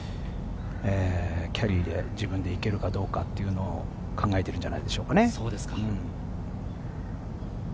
キャリーで自分でいけるかどうかというのを考えているんじゃないでしょうかね。